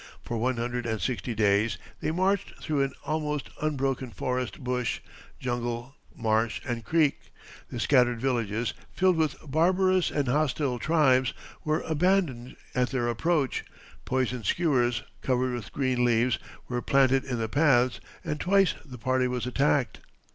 For one hundred and sixty days they marched through an almost unbroken forest bush, jungle, marsh, and creek. The scattered villages, filled with barbarous and hostile tribes, were abandoned at their approach; poisoned skewers, covered with green leaves, were planted in the paths, and twice the party was attacked.